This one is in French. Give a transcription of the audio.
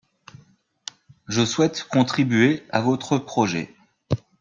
Je souhaite contribuer à votre projet